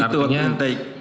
itu waktu intake